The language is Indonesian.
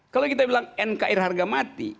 kalau kita bilang nkr harga mati